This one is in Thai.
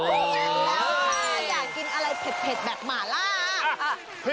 ค่ะอาจารย์อยากกินอะไรเผ็ดแบบหม่าล่า